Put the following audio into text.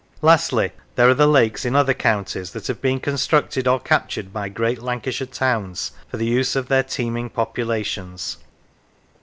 Lastly, there are the lakes in other counties, that have been constructed or captured by great Lancashire towns for the use of their teeming populations.